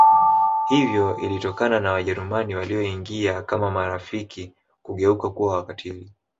Hiyo ilitokana na Wajerumani walioingia kama marafiki kugeuka kuwa wakatiili